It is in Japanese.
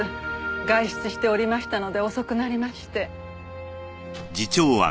外出しておりましたので遅くなりまして。